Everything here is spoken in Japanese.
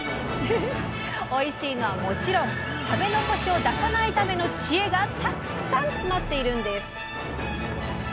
おいしいのはもちろん食べ残しを出さないための知恵がたくさん詰まっているんです。